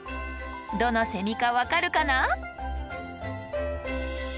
どのセミか分かるかな？